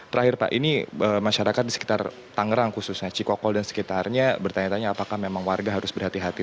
terakhir pak ini masyarakat di sekitar tangerang khususnya cikokol dan sekitarnya bertanya tanya apakah memang warga harus berhati hati